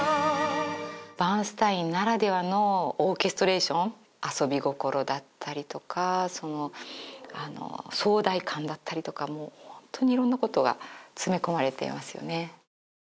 バーンスタインならではのオーケストレーション遊び心だったりとかその壮大感だったりとかもうホントに色んなことが詰め込まれていますよね